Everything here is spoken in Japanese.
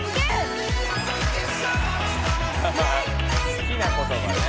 好きな言葉ね。